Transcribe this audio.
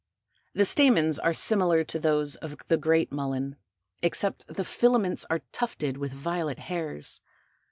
The stamens are similar to those of the Great Mullen, except the filaments are tufted with violet hairs.